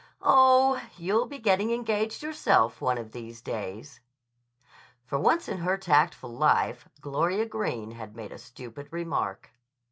"Oh, you'll be getting engaged yourself one of these days." For once in her tactful life Gloria Greene had made a stupid remark.